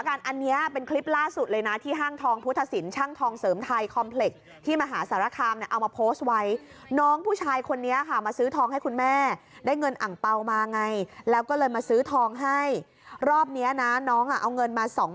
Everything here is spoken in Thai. ละการอันเนี้ยเป็นคลิปล่าสุดเลยนะที่ห้างทองภุทธสิรษบาทที่ห้างทองเสริมทายคอมแพ็คที่มหาสารคลามเอามาโพสต์ไว้